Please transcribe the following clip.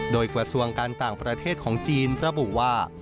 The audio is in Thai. โดยกระทรวงการต่างประเทศของจีนระบุว่า